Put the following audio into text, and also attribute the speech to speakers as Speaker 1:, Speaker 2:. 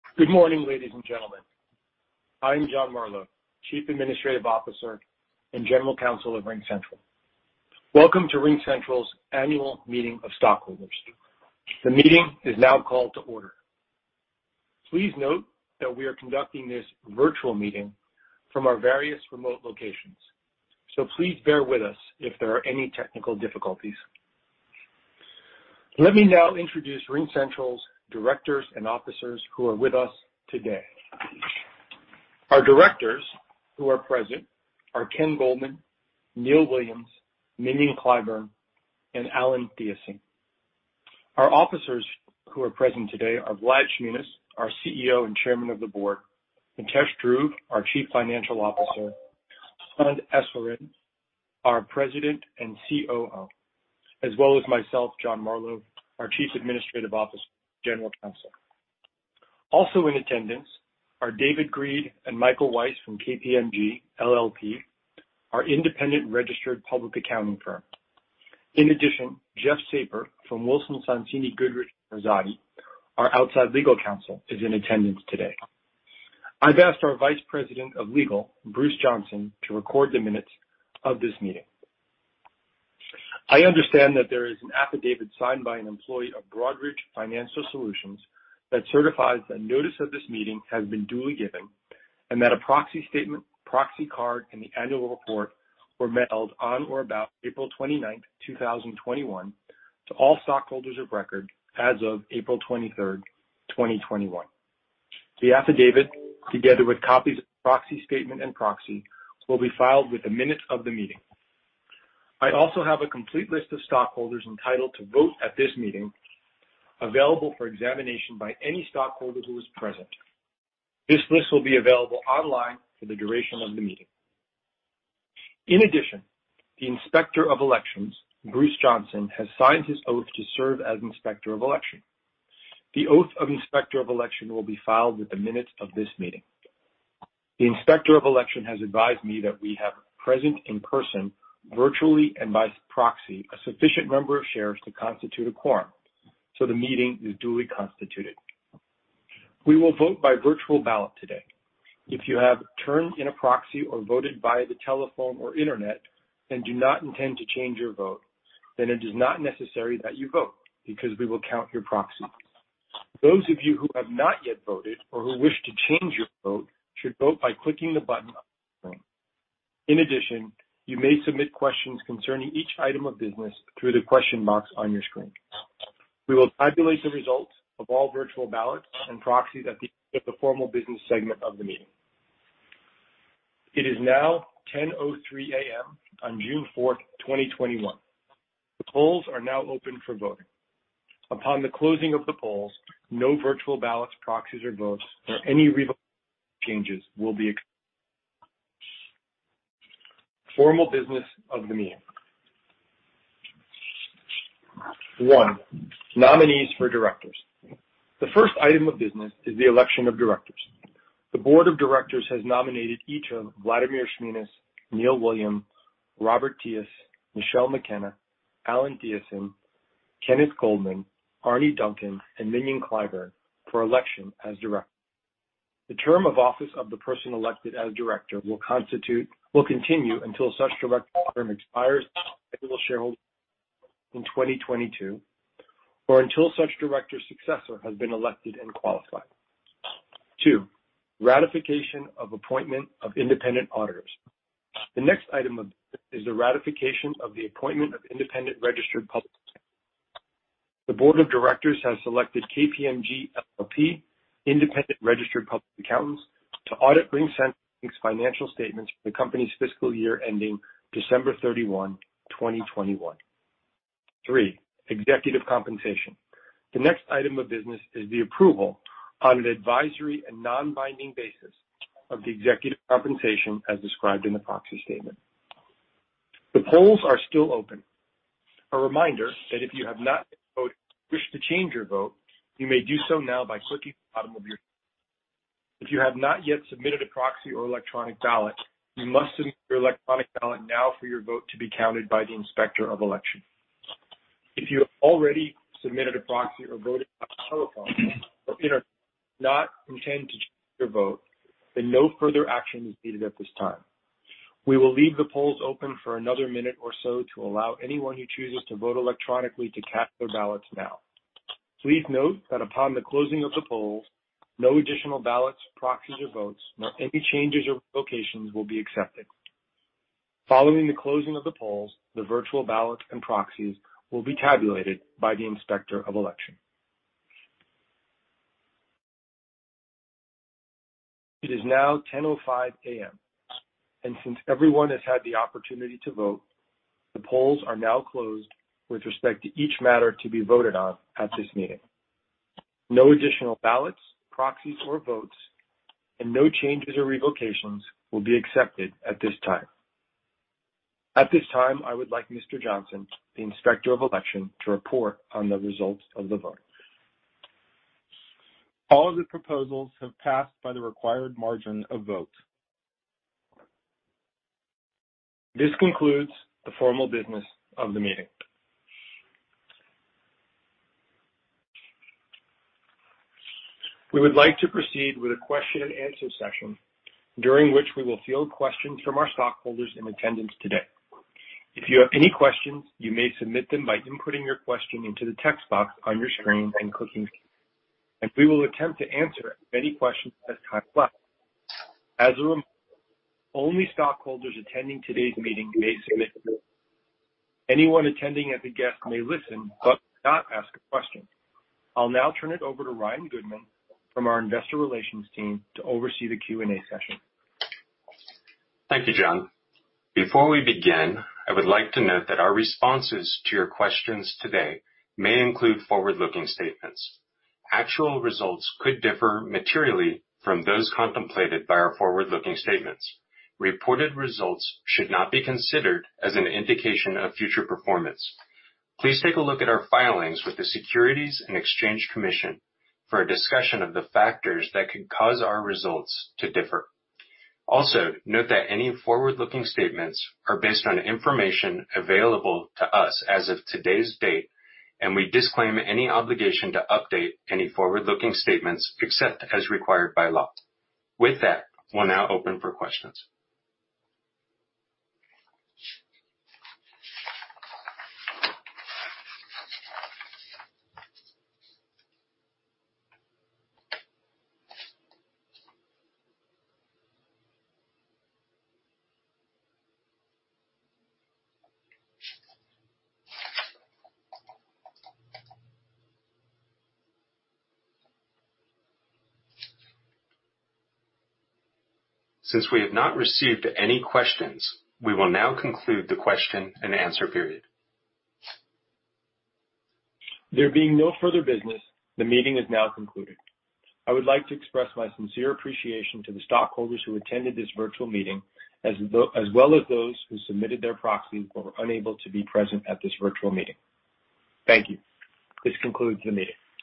Speaker 1: Good morning, ladies and gentlemen. I'm John Marlow, Chief Administrative Officer and General Counsel of RingCentral. Welcome to RingCentral's Annual Meeting of Stockholders. The meeting is now called to order. Please note that we are conducting this virtual meeting from our various remote locations. Please bear with us if there are any technical difficulties. Let me now introduce RingCentral's directors and officers who are with us today. Our directors who are present are Kenneth Goldman, Neil Williams, Mignon Clyburn, and Allan Thygesen. Our officers who are present today are Vlad Shmunis, our CEO and Chairman of the Board, and Mitesh Dhruv, our Chief Financial Officer, Anand Eswaran, our President and COO, as well as myself, John Marlow, our Chief Administrative Officer and General Counsel. Also in attendance are David Greed and Michael Weiss from KPMG LLP, our independent registered public accounting firm. Jeffrey Saper from Wilson Sonsini Goodrich & Rosati, our outside legal counsel, is in attendance today. I've asked our Vice President of Legal, Bruce Johnson, to record the minutes of this meeting. I understand that there is an affidavit signed by an employee of Broadridge Financial Solutions that certifies that notice of this meeting has been duly given and that a proxy statement, proxy card, and the annual report were mailed on or about April 29, 2021, to all stockholders of record as of April 23, 2021. The affidavit, together with copies of the proxy statement and proxy, will be filed with the minutes of the meeting. I also have a complete list of stockholders entitled to vote at this meeting available for examination by any stockholder who is present. This list will be available online for the duration of the meeting. In addition, the Inspector of Elections, Bruce Johnson, has signed his oath to serve as Inspector of Election. The oath of Inspector of Election will be filed with the minutes of this meeting. The Inspector of Election has advised me that we have present in person, virtually and by proxy, a sufficient number of shares to constitute a quorum, so the meeting is duly constituted. We will vote by virtual ballot today. If you have returned in a proxy or voted by the telephone or internet and do not intend to change your vote, then it is not necessary that you vote because we will count your proxy. Those of you who have not yet voted or who wish to change your vote should vote by clicking the button on your screen. In addition, you may submit questions concerning each item of business through the question box on your screen. We will tabulate the results of all virtual ballots and proxies at the beginning of the formal business segment of the meeting. It is now 10:03 A.M. on June 4th, 2021. The polls are now open for voting. Upon the closing of the polls, no virtual ballots, proxies, or votes or any revotes or changes will be accepted. Formal business of the meeting. One, nominees for directors. The first item of business is the election of directors. The board of directors has nominated each of Vladimir Shmunis, Neil Williams, Robert Theis, Michelle McKenna, Allan Thygesen, Kenneth Goldman, Arne Duncan, and Mignon Clyburn for election as directors. The term of office of the person elected as director will continue until such director's term expires on the next annual shareholders' meeting in 2022 or until such director's successor has been elected and qualified. Two, ratification of appointment of independent auditors. The next item of business is the ratification of the appointment of independent registered public accountants. The Board of Directors has selected KPMG LLP, independent registered public accountants, to audit RingCentral's financial statements for the company's fiscal year ending December 31, 2021. Three, executive compensation. The next item of business is the approval on an advisory and non-binding basis of the executive compensation as described in the proxy statement. The polls are still open. A reminder that if you have not yet voted or wish to change your vote, you may do so now by clicking the button on your screen. If you have not yet submitted a proxy or electronic ballot, you must submit your electronic ballot now for your vote to be counted by the Inspector of Election. If you have already submitted a proxy or voted by telephone or in writing and do not intend to change your vote, then no further action is needed at this time. We will leave the polls open for another minute or so to allow anyone who chooses to vote electronically to cast their ballots now. Please note that upon the closing of the polls, no additional ballots, proxies or votes or any changes or revocations will be accepted. Following the closing of the polls, the virtual ballots and proxies will be tabulated by the Inspector of Election. It is now 10:05 A.M., and since everyone has had the opportunity to vote, the polls are now closed with respect to each matter to be voted on at this meeting. No additional ballots, proxies or votes, and no changes or revocations will be accepted at this time. At this time, I would like Mr. Johnson, the Inspector of Election, to report on the results of the vote. All of the proposals have passed by the required margin of votes. This concludes the formal business of the meeting. We would like to proceed with a question and answer session, during which we will field questions from our stockholders in attendance today. If you have any questions, you may submit them by inputting your question into the text box on your screen and clicking. We will attempt to answer any questions as time allows. As a reminder, only stockholders attending today's meeting may submit questions. Anyone attending as a guest may listen but may not ask a question. I'll now turn it over to Ryan Goodman from our Investor Relations team to oversee the Q&A session.
Speaker 2: Thank you, John. Before we begin, I would like to note that our responses to your questions today may include forward-looking statements. Actual results could differ materially from those contemplated by our forward-looking statements. Reported results should not be considered as an indication of future performance. Please take a look at our filings with the Securities and Exchange Commission for a discussion of the factors that could cause our results to differ. Note that any forward-looking statements are based on information available to us as of today's date, and we disclaim any obligation to update any forward-looking statements except as required by law. With that, we'll now open for questions. Since we have not received any questions, we will now conclude the question and answer period.
Speaker 1: There being no further business, the meeting is now concluded. I would like to express my sincere appreciation to the stockholders who attended this virtual meeting, as well as those who submitted their proxies but were unable to be present at this virtual meeting. Thank you. This concludes the meeting.